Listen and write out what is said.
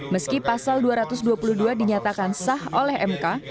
meski pasal dua ratus dua puluh dua dinyatakan sah oleh mk